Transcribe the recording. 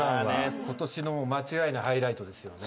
ことしの間違いないハイライトですよね。